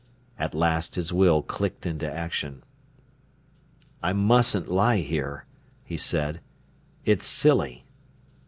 At last his will clicked into action. "I mustn't lie here," he said; "it's silly."